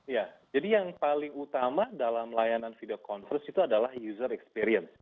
ya jadi yang paling utama dalam layanan video conference itu adalah user experience